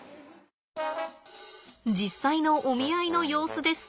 実際のお見合いの様子です。